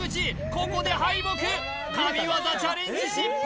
ここで敗北神業チャレンジ失敗！